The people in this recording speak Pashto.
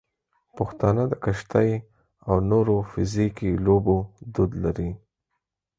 پښتانه د کشتۍ او نورو فزیکي لوبو دود لري.